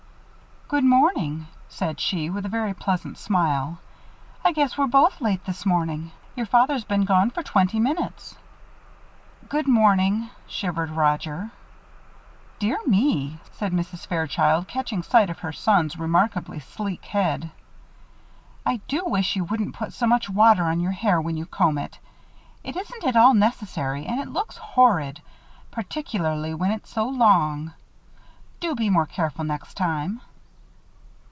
"Good morning," said she, with a very pleasant smile. "I guess we're both late this morning. Your father's been gone for twenty minutes." "Good morning," shivered Roger. "Dear me!" said Mrs. Fairchild, catching sight of her son's remarkably sleek head. "I do wish you wouldn't put so much water on your hair when you comb it. It isn't at all necessary and it looks horrid particularly when it's so long. Do be more careful next time."